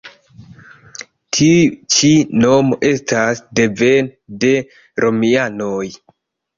Tiu ĉi nomo estas devene de romianoj.